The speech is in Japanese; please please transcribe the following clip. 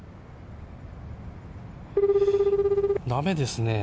だめですね。